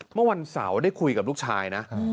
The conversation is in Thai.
เมื่อวันเสาร์ได้คุยกับลูกชายนะ